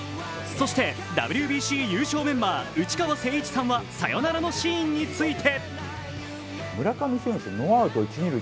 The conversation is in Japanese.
そしてＷＢＣ優勝メンバー内川聖一さんはサヨナラのシーンについて。